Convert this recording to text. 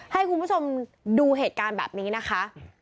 ให้คุณผู้ชมดูเหตุการณ์แบบนี้นะคะ